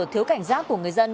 thiếu cảnh giác của người dân